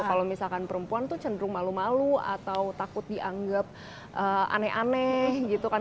kalau misalkan perempuan tuh cenderung malu malu atau takut dianggap aneh aneh gitu kan